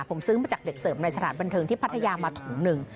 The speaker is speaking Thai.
ผมซื้อมาจากเด็กเสริมในสถานบันเทิงที่พัทยามาถุงหนึ่ง